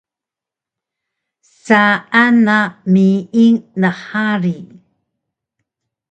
Saan na miying nhari